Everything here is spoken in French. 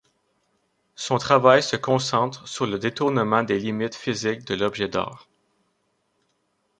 Son travail se concentre sur le détournement des limites physiques de l'objet d'art.